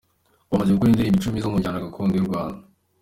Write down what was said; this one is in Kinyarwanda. Ubu amaze gukora indirimbo icumi zo mu njyana gakondo y’u Rwanda.